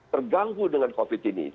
terganggu dengan covid ini